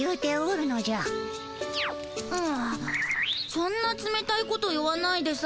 そんなつめたいこと言わないでさ。